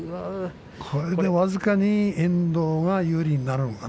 これで僅かに遠藤が有利になるのかな。